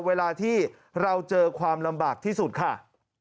เวลาที่เราเจอความลำบากที่สุดค่ะ